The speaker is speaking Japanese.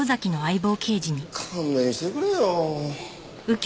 勘弁してくれよ。